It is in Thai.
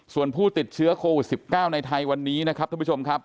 ส่วนผู้ติดเชื้อโควิด๑๙ในไทยวันนี้นะครับท่านผู้ชมครับ